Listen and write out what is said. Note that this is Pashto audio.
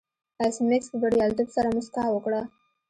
ایس میکس په بریالیتوب سره موسکا وکړه